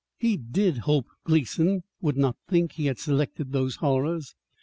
He did hope Gleason would not think he had selected those horrors!